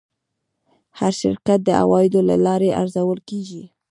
هر شرکت د عوایدو له لارې ارزول کېږي.